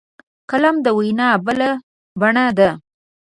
قلم د وینا بله بڼه ده